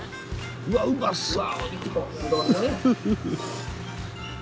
うわうまそう！